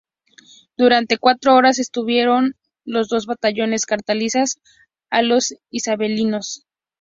Durante cuatro horas contuvieron los dos batallones carlistas a los isabelinos.